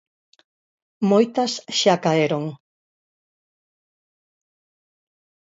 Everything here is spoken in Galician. Moitas xa caeron.